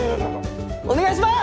お願いします！